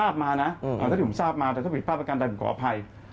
ถ้าผมทราบมาถ้าหิดกรรมประกันตัวผมขออภัย